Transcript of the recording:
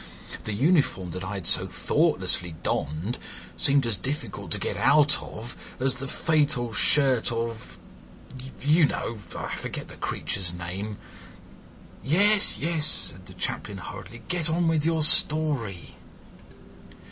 The uniform that I had so thoughtlessly donned seemed as difficult to get out of as the fatal shirt of—You know, I forget the creature's name." "Yes, yes," said the Chaplain hurriedly. "Go on with your story."